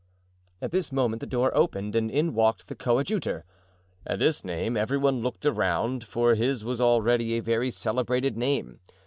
At this moment the door opened and in walked the coadjutor. At this name every one looked around, for his was already a very celebrated name.